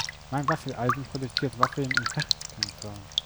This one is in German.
Mein Waffeleisen produziert Waffeln in Herzchenform.